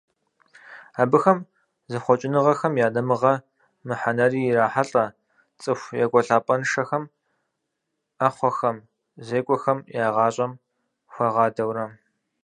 Абыхэм зэхъуэкӀыныгъэхэм я дамыгъэ мыхьэнэри ирахьэлӀэ, цӀыху екӀуэлӀапӀэншэхэм, Ӏэхъуэхэм, зекӀуэхэм я гъащӀэм хуагъадэурэ.